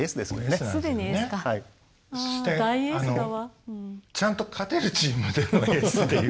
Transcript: そしてあのちゃんと勝てるチームでのエースっていう。